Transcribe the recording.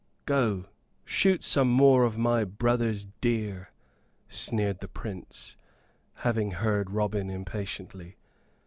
"Go, shoot some more of my brother's deer," sneered the Prince, having heard Robin impatiently.